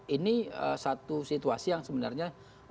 ini satu situasi yang sebenarnya